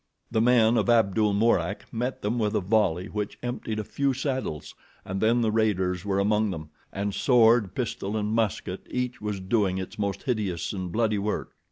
The men of Abdul Mourak met them with a volley which emptied a few saddles, and then the raiders were among them, and sword, pistol and musket, each was doing its most hideous and bloody work.